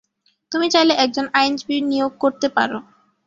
তুমি চাইলে একজন আইনজীবী নিয়োগ করতে পারো।